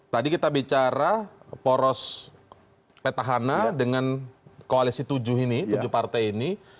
tadi kita bicara poros petahana dengan koalisi tujuh ini tujuh partai ini